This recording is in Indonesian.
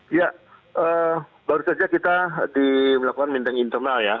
iya baru saja kita melakukan minteng internal ya